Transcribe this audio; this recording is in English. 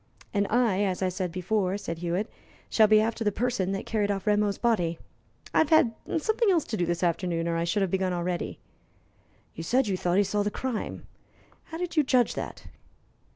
"And I, as I said before," said Hewitt, "shall be after the person that carried off Rameau's body. I have had something else to do this afternoon, or I should have begun already." "You said you thought he saw the crime. How did you judge that?"